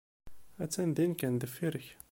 Attan din kan deffir-k.